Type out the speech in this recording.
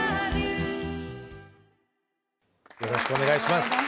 よろしくお願いします。